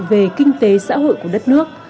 về kinh tế xã hội của đất nước